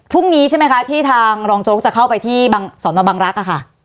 พรุ่งนี้ใช่ไหมคะที่ทางรองโจ๊กจะเข้าไปที่สอนอบังรักษ์ค่ะ